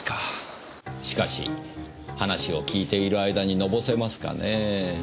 しかし話を聞いている間にのぼせますかねぇ？